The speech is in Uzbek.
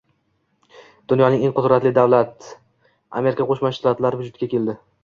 dunyodagi eng qudratli davlat — Amerika Qo'shma Shtatlari vujudga keldi.